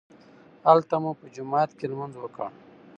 هلته مو په جومات کې لمونځ وکړ.